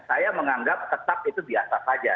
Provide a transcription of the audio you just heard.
saya menganggap tetap itu biasa saja